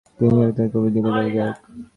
তিনি ছিলেন একাধারে কবি, গীতিকার ও গায়ক।